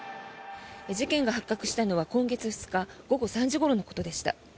事件が発覚したのは今月２日午後３時ごろのことでした。